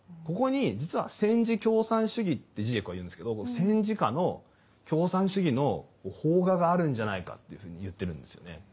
ここに実は戦時共産主義ってジジェクは言うんですけど戦時下の共産主義の萌芽があるんじゃないかっていうふうに言ってるんですよね。